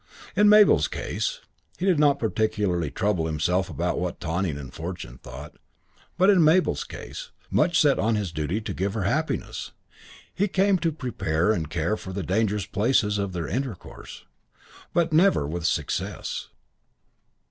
In Mabel's case he did not particularly trouble himself about what Twyning and Fortune thought but in Mabel's case, much set on his duty to give her happiness, he came to prepare with care for the dangerous places of their intercourse. But never with success.